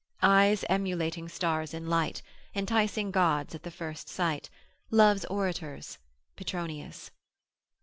Eyes emulating stars in light, Enticing gods at the first sight; Love's orators, Petronius.